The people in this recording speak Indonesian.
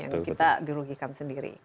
yang kita dirugikan sendiri